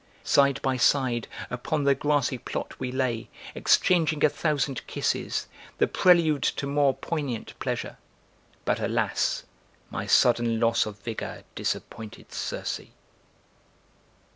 Side by side upon the grassy plot we lay, exchanging a thousand kisses, the prelude to more poignant pleasure, (but alas! My sudden loss of vigor disappointed Circe!)